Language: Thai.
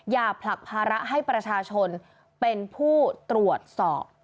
อย่าผลักภาระให้ประชาชนเป็นผู้ตรวจสอบ